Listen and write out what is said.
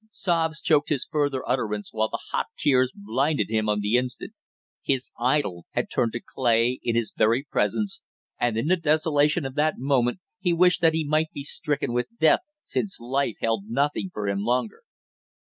Sobs choked his further utterance while the hot tears blinded him on the instant. His idol had turned to clay in his very presence, and in the desolation of that moment he wished that he might be stricken with death, since life held nothing for him longer.